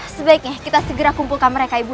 sebaiknya kita segera kumpulkan mereka ibu